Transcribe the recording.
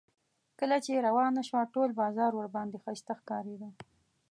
کله چې روانه شوه ټول بازار ورباندې ښایسته ښکارېده.